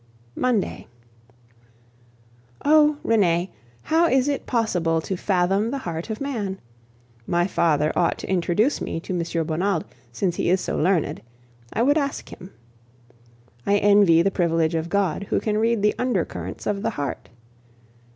Monday. Oh! Renee, how is it possible to fathom the heart of man? My father ought to introduce me to M. Bonald, since he is so learned; I would ask him. I envy the privilege of God, who can read the undercurrents of the heart.